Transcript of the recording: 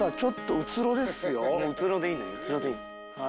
うつろでいいの。